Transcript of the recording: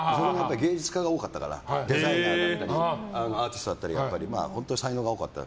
芸術家が多かったからデザイナーだったりアーティストだったり本当に才能が多かった。